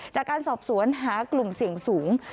จากการสอบสวนหากลุ่มเสี่ยงสูง